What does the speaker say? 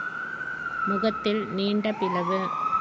முகத்தில் நீண்ட பிளவு.